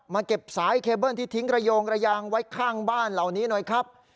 เก็บสายเคเบิ้ลที่ทิ้งระโยงระยางไว้ข้างบ้านเหล่านี้หน่อยครับ